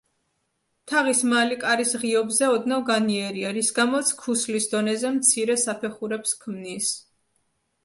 თაღის მალი კარის ღიობზე ოდნავ განიერია, რის გამოც ქუსლის დონეზე მცირე საფეხურებს ქმნის.